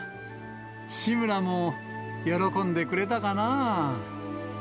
志村も喜んでくれたかな。